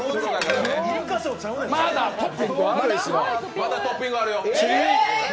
まだトッピングある。